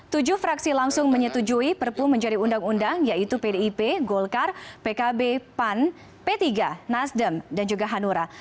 tujuh fraksi langsung menyetujui perpu menjadi undang undang yaitu pdip golkar pkb pan p tiga nasdem dan juga hanura